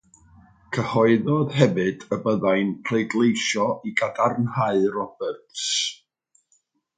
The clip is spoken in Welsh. Cyhoeddodd hefyd y byddai'n pleidleisio i gadarnhau Roberts.